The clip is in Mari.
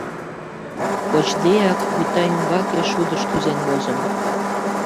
Кочдеак, вӱта ӱмбаке, шудыш, кӱзен возым.